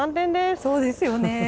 そうですよね。